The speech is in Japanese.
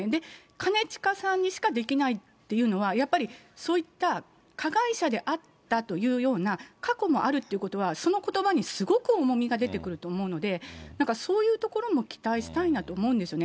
兼近さんにしかできないっていうのは、やっぱりそういった、加害者であったというような過去もあるということは、そのことばにすごく重みが出てくると思うので、なんか、そういうところも期待したいなと思うんですよね。